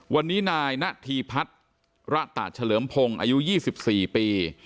วันนี้นายณฑีพัฒน์ระตะเฉลิมพงศ์อายุ๒๔ปี